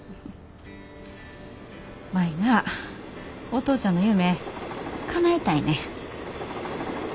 舞なお父ちゃんの夢かなえたいねん。